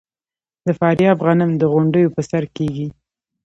د فاریاب غنم د غونډیو په سر کیږي.